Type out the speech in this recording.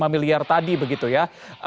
lima miliar tadi begitu ya